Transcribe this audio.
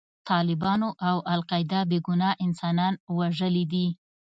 طالبانو او القاعده بې ګناه انسانان وژلي دي.